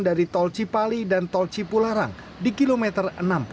dari tol cipali dan tol cipularang di kilometer enam puluh